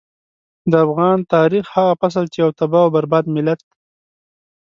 د افغان تاريخ هغه فصل چې يو تباه او برباد ملت.